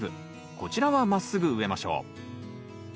こちらはまっすぐ植えましょう。